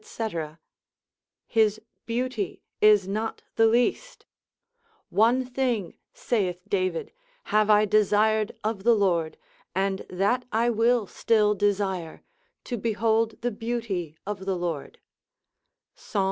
his beauty is not the least, one thing, saith David, have I desired of the Lord, and that I will still desire, to behold the beauty of the Lord, Psal.